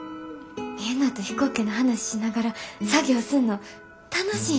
みんなと飛行機の話しながら作業すんの楽しいんです。